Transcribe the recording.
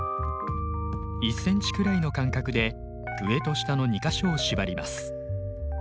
１ｃｍくらいの間隔で上と下の２か所を縛ります。